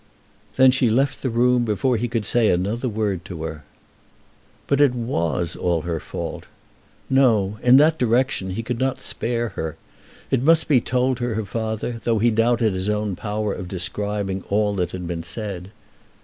Then she left the room before he could say another word to her. But it was all her fault. No; in that direction he could not spare her. It must be told to her father, though he doubted his own power of describing all that had been said.